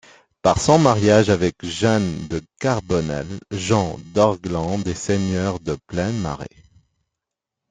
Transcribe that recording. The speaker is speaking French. Par son mariage avec Jeanne de Carbonnel, Jean d'Orglandes et seigneur de Plain-Marais.